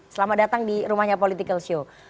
selamat datang di rumahnya political show